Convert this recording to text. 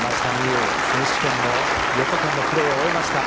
有、選手権の４日間のプレーを終えました。